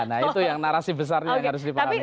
nah itu yang narasi besarnya yang harus dipahami